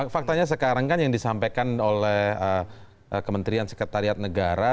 faktanya sekarang kan yang disampaikan oleh kementerian sekretariat negara